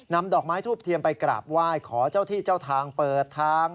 ดอกไม้ทูบเทียมไปกราบไหว้ขอเจ้าที่เจ้าทางเปิดทาง